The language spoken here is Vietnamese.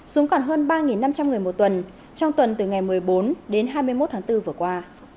xuống còn hơn ba năm trăm linh người một tuần trong tuần từ ngày một mươi bốn đến hai mươi một tháng bốn vừa qua